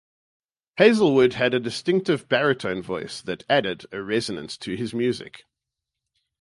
Hazlewood had a distinctive baritone voice that added a resonance to his music.